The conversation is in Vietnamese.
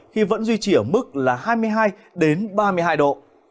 khi vẫn duy trì ở mức là hai mươi hai ba mươi hai độ